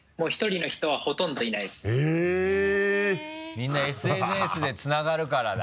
みんなＳＮＳでつながるからだ。